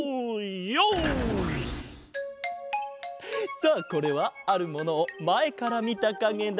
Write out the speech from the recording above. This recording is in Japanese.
さあこれはあるものをまえからみたかげだ。